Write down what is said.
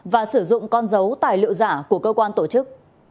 và sử dụng con dấu tài liệu giả của cơ quan tổ chức